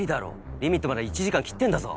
リミットまで１時間切ってんだぞ。